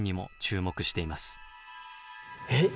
えっ！？